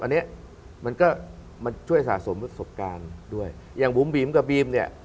อันนี้มันก็มันช่วยสะสมประสบการณ์ด้วยอย่างบุ๋มบีมกับบีมเนี่ย